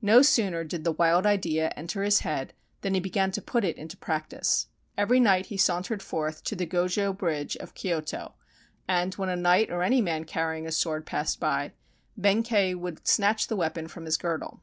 No sooner did the wild idea enter his head than he began to put it into practice. Every night he sauntered forth to the Go jo Bridge of Kyoto, and when a knight or any man carrying a sword passed by, Benkei would snatch the weapon from his girdle.